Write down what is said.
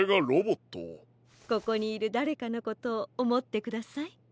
ここにいるだれかのことをおもってください。